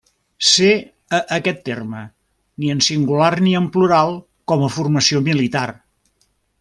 C a aquest terme, ni en singular ni en plural com a formació militar.